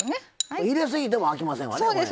入れすぎてもあきませんわね。